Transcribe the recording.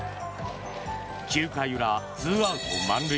９回裏、２アウト満塁。